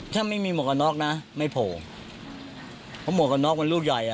ถ้าไม่มีหมวกกันน็อกนะไม่โผล่เพราะหมวกกันน็อกมันลูกใหญ่อ่ะ